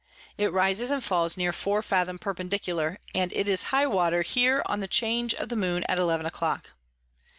It rises and falls near 4 Fathom perpendicular, and it is high Water here on the Change of the Moon at eleven a clock.